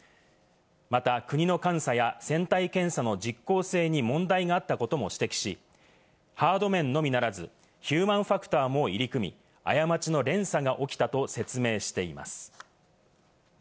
また、国の監査や船体検査の実効性に問題があったことも指摘し、ハード面のみならず、ヒューマンファクターも入り組み、過ちの連鎖が起きたと説明しています。